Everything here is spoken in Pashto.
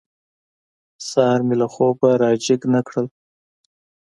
سهار مې له خوبه را جېګ نه کړل.